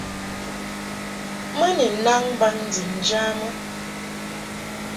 Mɨ ni nnaŋ mbaŋ ndib njamɨ.